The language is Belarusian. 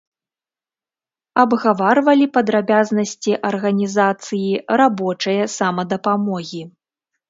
Абгаварвалі падрабязнасці арганізацыі рабочае самадапамогі.